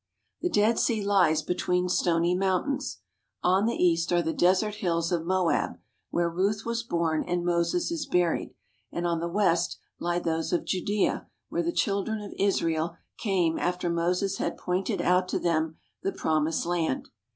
The Dead Sea lies between stony mountains. On the east are the desert hills of Moab, where Ruth was born and Moses is buried, and on the west lie those of Judea where the children of Israel came after Moses had pointed out to them the Promised Land.